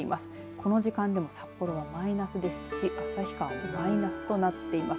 この時間でも札幌はマイナスですし旭川もマイナスとなっています。